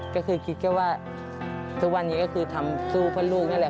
ก็คือคิดแค่ว่าทุกวันนี้ก็คือทำสู้เพื่อลูกนั่นแหละ